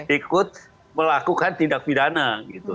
ikut melakukan tindak pidana gitu